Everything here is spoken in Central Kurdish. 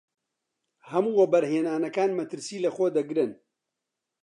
هەموو وەبەرهێنانەکان مەترسی لەخۆ دەگرن.